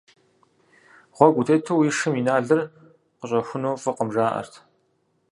Гъуэгу утету уи шым и налыр къыщӀэхуну фӀыкъым, жаӀэрт.